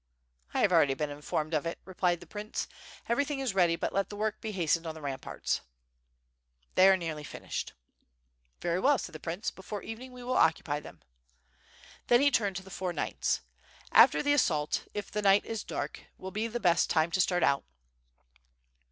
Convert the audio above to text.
"I have already been informed of it," replied the prince, "everything is ready, but let the work be hastened on the ramparts." "They are nearly fijiished/^ WtTB FIRE AND SWORD. ^55 "Very well/' said the prince, 'T^efore evejiing we will occupy them/' Then he turned to the four knights: * "After the assault, if the night is dark, will be the best time to start out."